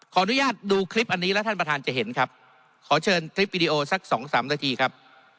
ขออนุญาตดูคลิปอันนี้แล้วท่านประธานจะเห็นครับขอเชิญคลิปวิดีโอสักสองสามนาทีครับ